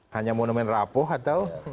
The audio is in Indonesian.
hanya monumen rapuh atau